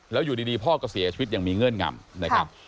แล้วอยู่ดีพ่อก็เสียชีวิตอย่างมีเงื่อนงำนะครับ